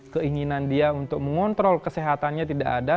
keinginan dia untuk mengontrol kesehatannya tidak ada